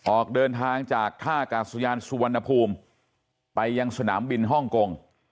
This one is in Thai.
ออกเดินทางจากท่ากาศยานสุวรรณภูมิไปยังสนามบินฮ่องกง